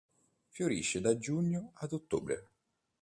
Fiorisce da giugno ad ottobre.